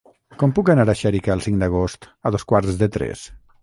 Com puc anar a Xèrica el cinc d'agost a dos quarts de tres?